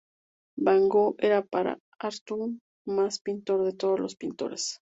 Van Gogh era para Artaud "el más pintor de todos los pintores".